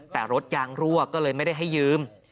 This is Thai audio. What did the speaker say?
แต่รถยางรั่วก็เลยไม่ได้ให้ยืม